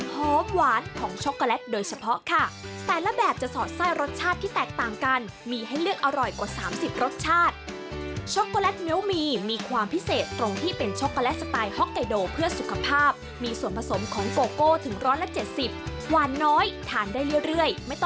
หวานน้อยทานได้เรื่อยไม่ต้องกลัวอ้วนค่ะ